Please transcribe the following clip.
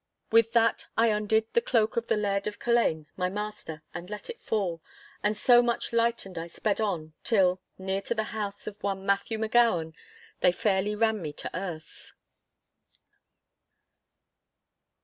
With that I undid the cloak of the Laird of Culzean, my master, and let it fall; and so much lightened I sped on till, near to the house of one Matthew M'Gowan, they fairly ran me to earth.